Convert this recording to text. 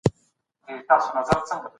سختي د انسان د پخېدو لامل کيږي.